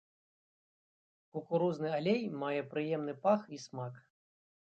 Кукурузны алей мае прыемны пах і смак.